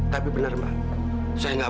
tapi benar mbak saya nggak